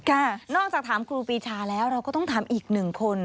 นอกจากถามครูปีชาแล้วเราก็ต้องถามอีกหนึ่งคน